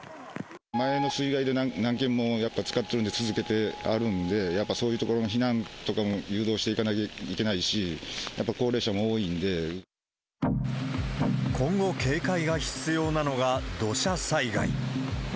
前の水害で何軒も、やっぱつかってるので、続けてあるんで、やっぱそういう所の避難とかも誘導していかないといけないし、今後、警戒が必要なのが土砂災害。